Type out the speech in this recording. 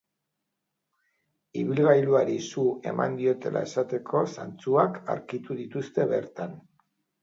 Ibilgailuari su eman diotela esateko zantzuak aurkitu dituzte bertan.